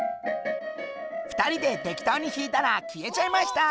「２人で適当にひいたら消えちゃいました」